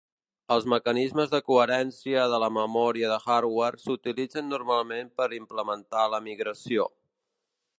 Els mecanismes de coherència de la memòria de hardware s"utilitzen normalment per implementar la migració.